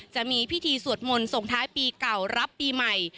จะมีพิธีสวดมนต์ส่งท้ายปีเก่ารับปีใหม่